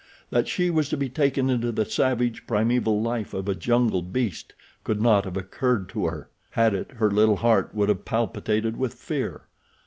That she was to be taken into the savage, primeval life of a jungle beast could not have occurred to her. Had it, her little heart would have palpitated with fear.